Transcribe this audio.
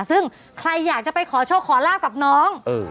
ซึ่งใครอยากจะไปขอโชคขอลาบกับน้อง